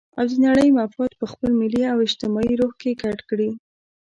او د نړۍ مفاد په خپل ملي او اجتماعي روح کې ګډ کړي.